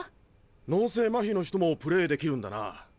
脳性マヒの人もプレーできるんだな。